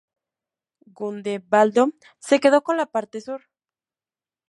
Gundebaldo se quedó con la parte sur.